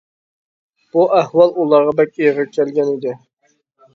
بۇ ئەھۋال ئۇلارغا بەك ئېغىر كەلگەن ئىدى.